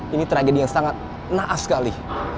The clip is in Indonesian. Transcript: ini tragedi yang sangat naas sekali